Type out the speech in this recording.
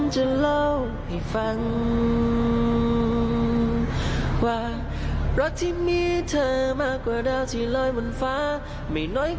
ใช่นั่ง